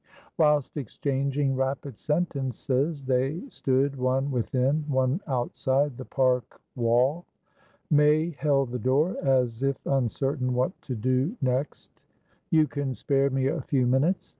Whilst exchanging rapid sentences, they stood, one within, one outside, the park wall. May held the door as if uncertain what to do next. "You can spare me a few minutes?"